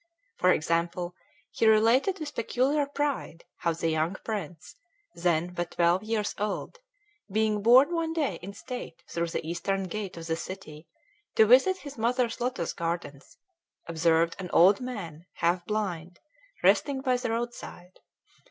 For example, he related with peculiar pride how the young prince, then but twelve years old, being borne one day in state through the eastern gate of the city to visit his mother's lotos gardens, observed an old man, half blind, resting by the roadside.